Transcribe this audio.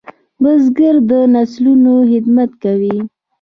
بزګر د نسلونو خدمت کوي